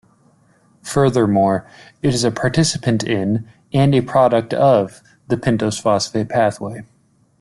Furthermore, it is a participant in and a product of the pentose phosphate pathway.